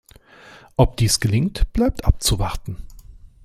Ob dies gelingt, bleibt abzuwarten.